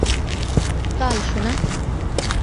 কাল, সোনা।